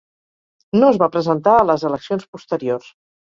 No es va presentar a les eleccions posteriors.